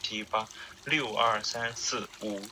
黑鳍大眼鲷为大眼鲷科大眼鲷属的鱼类。